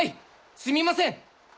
すみません！